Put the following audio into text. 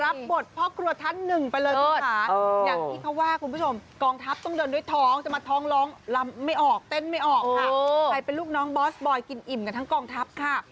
มาเลยค่ะ